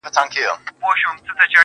o څه د اضدادو مجموعه یې د بلا لوري.